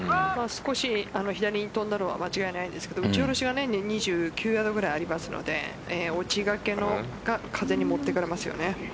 少し左に飛んだのは間違いないですけど打ち下ろしが２９ヤードぐらいありますので落ちがけが風に持ってかれますよね。